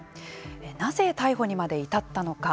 なぜ逮捕にまで至ったのか。